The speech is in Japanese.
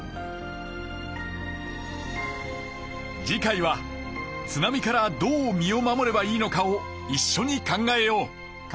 次回は津波からどう身を守ればいいのかをいっしょに考えよう。